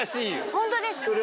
ホントですか？